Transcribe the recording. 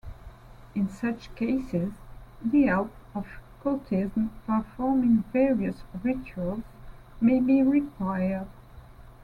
In such cases, the help of cultists performing various rituals may be required.